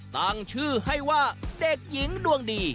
ตั้งชื่อให้ว่าเด็กหญิงดวงดี